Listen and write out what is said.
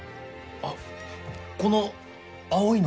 あっこの青いのは何？